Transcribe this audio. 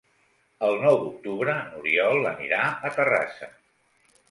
El nou d'octubre n'Oriol anirà a Terrassa.